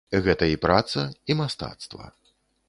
Гэта і праца, і мастацтва.